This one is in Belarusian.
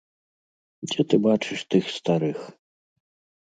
Дзе ты бачыш тых старых?